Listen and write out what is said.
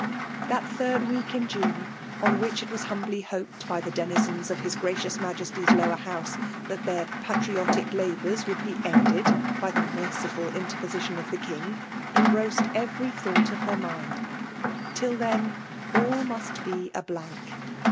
Tbftt Akd wedt in Jtine on which it wm huniUj hoped by thd denixeM of hu^lpraciouB Majesty's Lov^or House* Uiat their pfUariptio Vbboun would be ^nded by the me]:ciful inter*9 position ^f the King^ eagroased every thought of her mind. Till then> all must be a blank.